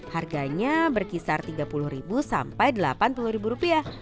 harganya berkisar tiga puluh sampai delapan puluh rupiah